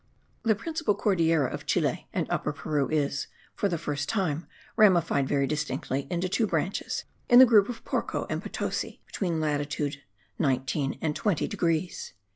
The principal Cordillera of Chile and Upper Peru is, for the first time, ramified very distinctly into two branches, in the group of Porco and Potosi, between latitude 19 and 20 degrees.